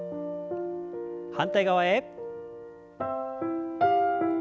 反対側へ。